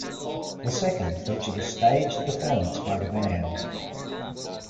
The second featured a staged performance by the band.